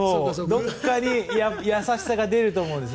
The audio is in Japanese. どこかに優しさが出ると思うんです。